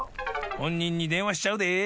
ほんにんにでんわしちゃうで。